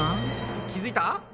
気付いた？